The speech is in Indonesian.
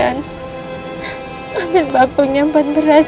ambil baku nyempan beras